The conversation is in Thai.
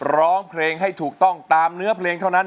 ร้องเพลงให้ถูกต้องตามเนื้อเพลงเท่านั้น